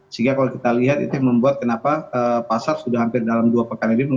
sehingga kalau kita lihat itu yang membuat kenapa pasar sudah hampir dalam dua pekan ini